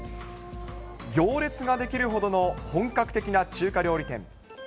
行列が出来るほどの本格的な中華料理店。